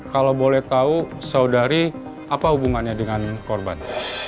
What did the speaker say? kalau boleh tahu saudari apa hubungannya dengan korban